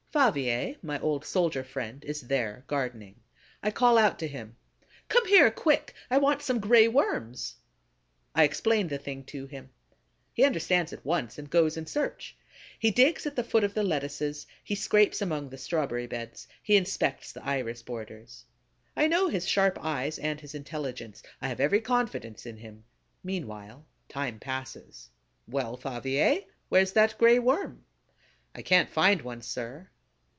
Favier, my old soldier friend, is there, gardening. I call out to him: "Come here, quick; I want some Gray Worms!" I explain the thing to him. He understands at once and goes in search. He digs at the foot of the lettuces, he scrapes among the strawberry beds, he inspects the iris borders. I know his sharp eyes and his intelligence; I have every confidence in him. Meanwhile, time passes. "Well, Favier? Where's that Gray Worm?" "I can't find one, sir."